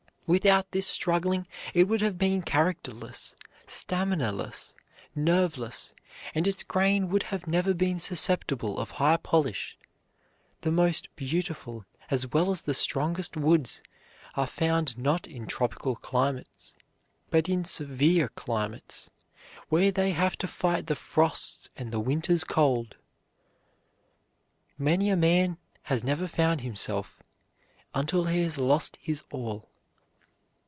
Without this struggle it would have been characterless, staminaless, nerveless, and its grain would have never been susceptible of high polish. The most beautiful as well as the strongest woods are found not in tropical climates, but in severe climates, where they have to fight the frosts and the winter's cold. Many a man has never found himself until he has lost his all.